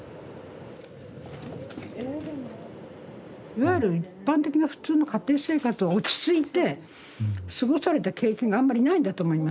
いわゆる一般的な普通の家庭生活を落ち着いて過ごされた経験があんまりないんだと思いますうん。